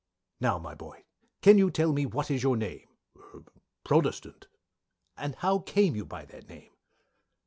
"Q. Now my boy can you tell me what is your Name? "A. B Protestant. "Q. How came you by that name?